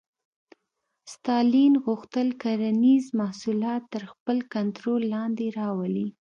ستالین غوښتل کرنیز محصولات تر خپل کنټرول لاندې راولي